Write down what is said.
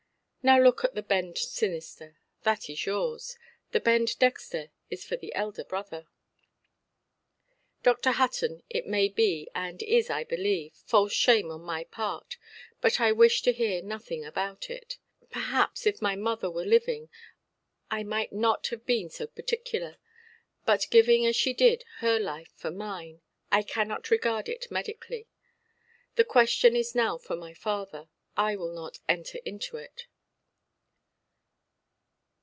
Now look at the bend sinister, that is yours; the bend dexter is for the elder brother". "Dr. Hutton, it may be, and is, I believe, false shame on my part; but I wish to hear nothing about it. Perhaps, if my mother were living, I might not have been so particular. But giving, as she did, her life for mine, I cannot regard it medically. The question is now for my father. I will not enter into it".